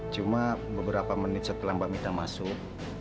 cuma beberapa menit setelah mbak mita masuk